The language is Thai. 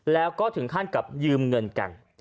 แล้วก็ถึงขั้นกับยืมเงินกัน